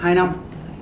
hai năm trước